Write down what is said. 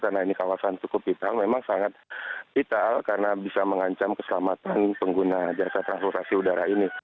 karena ini kawasan cukup vital memang sangat vital karena bisa mengancam keselamatan pengguna jasa transportasi udara ini